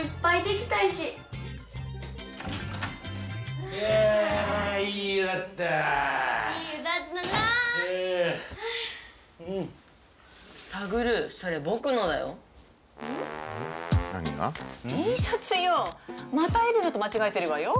また栄流のと間違えてるわよ。